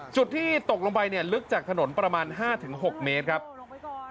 จุดที่ตกลงไปเนี่ยลึกจากถนนประมาณห้าถึงหกเมตรครับลงไปก่อน